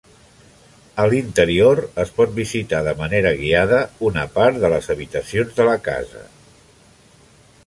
L'interior es pot visitar de manera guiada una part de les habitacions de la casa.